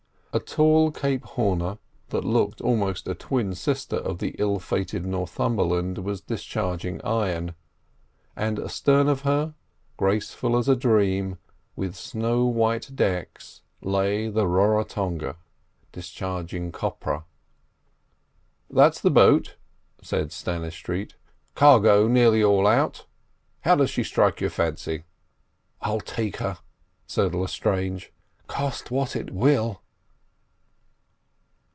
A tall Cape Horner that looked almost a twin sister of the ill fated Northumberland was discharging iron, and astern of her, graceful as a dream, with snow white decks, lay the Raratonga discharging copra. "That's the boat," said Stannistreet; "cargo nearly all out. How does she strike your fancy?" "I'll take her," said Lestrange, "cost what it will."